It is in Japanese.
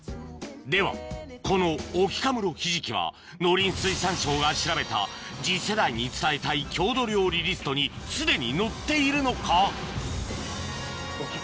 ではこの沖家室ひじきは農林水産省が調べた次世代に伝えたい郷土料理リストにすでに載っているのか？